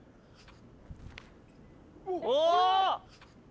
お！